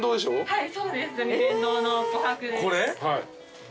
はい。